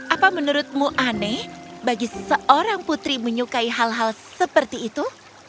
apa menurutmu aneh bagi seorang putri menyukai hal hal seperti itu